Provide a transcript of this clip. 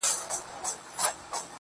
ما مينه ورکړله، و ډېرو ته مي ژوند وښودئ,